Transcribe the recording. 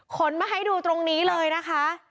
มาให้ดูตรงนี้เลยนะคะ